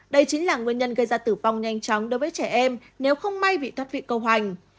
đây chính là nguyên nhân gây ra tử vong nhanh chóng đối với trẻ em nếu không may bị thoát vị câu hoành